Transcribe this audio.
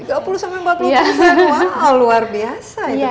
wow luar biasa